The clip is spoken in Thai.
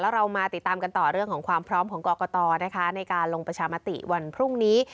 เรามาติดตามกันต่อเรื่องของความพร้อมของกรกตนะคะในการลงประชามติวันพรุ่งนี้